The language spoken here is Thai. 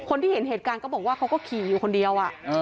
คนที่เห็นเหตุการณ์ก็บอกว่าเขาก็ขี่อยู่คนเดียว